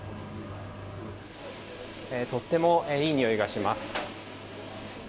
とてもいい匂いがします。